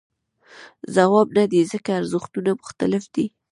ځواب نه دی ځکه ارزښتونه مختلف دي.